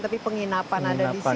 tapi penginapan ada di sini